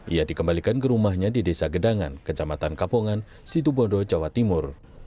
ia dikembalikan ke rumahnya di desa gedangan kejamatan kapongan situ bondo jawa timur